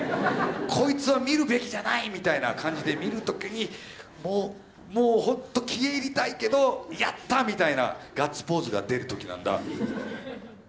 こいつは見るべきじゃないみたいな感じで見る時にもうほんと消え入りたいけど「やった！」みたいなガッツポーズが出る時なんだ。